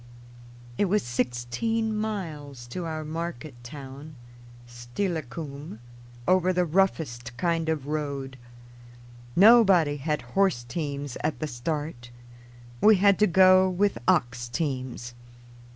] It was sixteen miles to our market town, Steilacoom, over the roughest kind of road. Nobody had horse teams at the start; we had to go with ox teams.